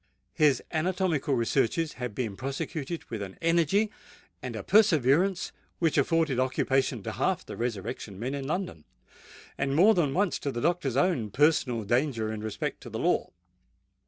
His anatomical researches had been prosecuted with an energy and a perseverance which afforded occupation to half the resurrection men in London, and more than once to the doctor's own personal danger in respect to the law.